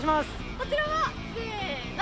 こちらはせの。